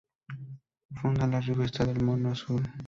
Fundan la revista "El Mono Azul".